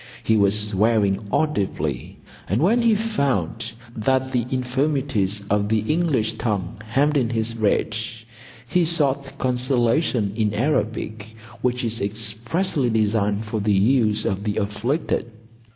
He was swearing audibly, and when he found that the infirmities of the English tongue hemmed in his rage, he sought consolation in Arabic, which is expressly designed for the use of the afflicted.